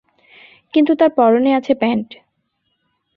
কিন্তু তার পরনে আছে প্যান্ট।